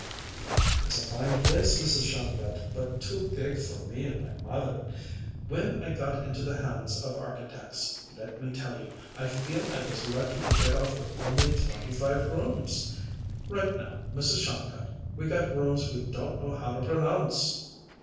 "It's a fine place, Mrs. Shongut, but too big for me and my mother. When I got into the hands of architects, let me tell you, I feel I was lucky to get off with only twenty five rooms. Right now, Mrs. Shongut, we got rooms we don't know how to pronounce."